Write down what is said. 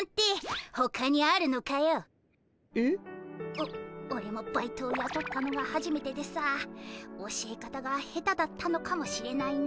おおれもバイトをやとったのがはじめてでさ教え方が下手だったのかもしれないな。